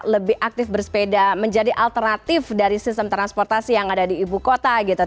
lebih aktif bersepeda menjadi alternatif dari sistem transportasi yang ada di ibu kota gitu